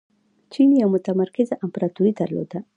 چین یوه متمرکزه امپراتوري درلوده.